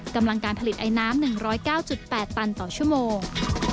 กำลังการผลิตไอน้ำ๑๐๙๘ตันต่อชั่วโมง